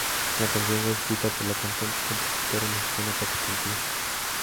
La canción fue escrita por la cantante y compositora mexicana Paty Cantú.